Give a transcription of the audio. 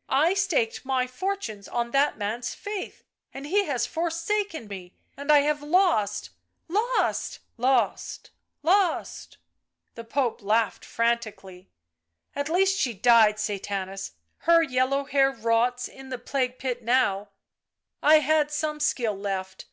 " I staked my fortunes on that man's faith and he has forsaken me, and I have lost, lost !" u Lost ! lost !" The Pope laughed frantically. " At least she died, Sathanas, her yellow hair rots in the plague pit now; I had some skill left.